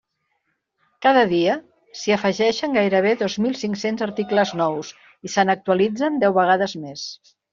Cada dia, s'hi afegeixen gairebé dos mil cinc-cents articles nous, i se n'actualitzen deu vegades més.